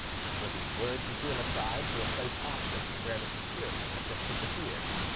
With these words he drew him aside to a place opposite to where the conspirators had just disappeared.